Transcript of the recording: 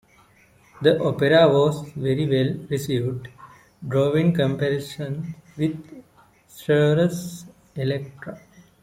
The opera was very well received, drawing comparisons with Strauss's Elektra.